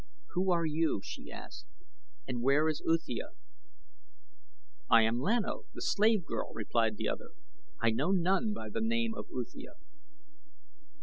"Who are you?" she asked, and, "Where is Uthia?" "I am Lan O the slave girl," replied the other. "I know none by the name of Uthia."